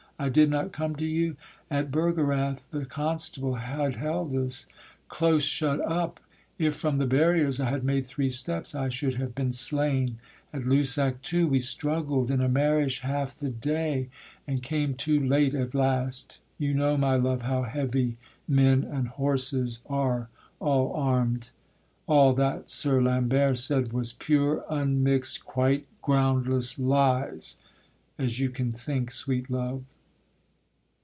I did not come to you? At Bergerath The constable had held us close shut up, If from the barriers I had made three steps, I should have been but slain; at Lusac, too, We struggled in a marish half the day, And came too late at last: you know, my love, How heavy men and horses are all arm'd. All that Sir Lambert said was pure, unmix'd, Quite groundless lies; as you can think, sweet love.